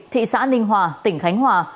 thị xã ninh hòa tỉnh khánh hòa